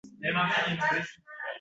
Qadrin anglamasam menga xayf